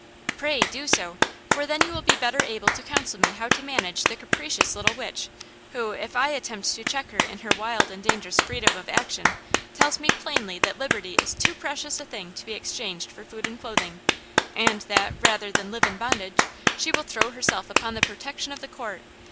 "Pray do so, for then you will be better able to counsel me how to manage the capricious little witch who, if I attempt to check her in her wild and dangerous freedom of action, tells me plainly that liberty is too precious a thing to be exchanged for food and clothing, and that, rather than live in bondage, she will throw herself upon the protection of the court.